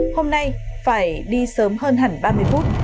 hôm nay phải đi sớm hơn hẳn ba mươi phút